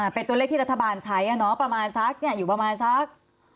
เป็นตัวเลขที่รัฐบาลใช้เนอะอยู่ประมาณสัก